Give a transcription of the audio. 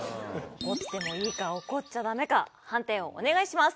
怒ってもいいか怒っちゃダメか判定をお願いします。